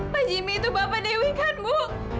pak jimmy itu bapak dewi kan bu